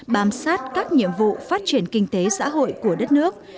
bám sát các nhiệm vụ phát triển kinh tế xã hội của đất nước